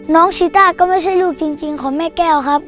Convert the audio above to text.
ชีต้าก็ไม่ใช่ลูกจริงของแม่แก้วครับ